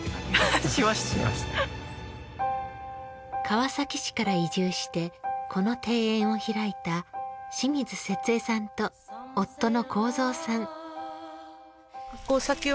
川崎市から移住してこの庭園を開いた清水節江さんと夫の幸三さん。